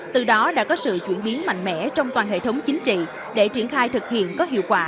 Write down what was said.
từ đó đã có sự chuyển biến mạnh mẽ trong toàn hệ thống chính trị để triển khai thực hiện có hiệu quả